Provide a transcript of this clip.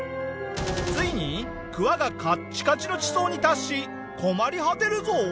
ついにくわがカッチカチの地層に達し困り果てるぞ。